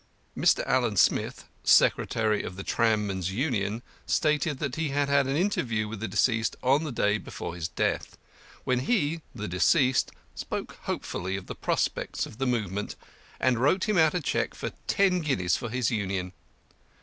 Mr. Allan Smith, secretary of the Tram men's Union, stated that he had had an interview with the deceased on the day before his death, when he (the deceased) spoke hopefully of the prospects of the movement, and wrote him out a check for ten guineas for his Union.